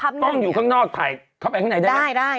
ถ้าสมมติกล้องอยู่ข้างนอกถ่ายเข้าไปข้างในได้ไหม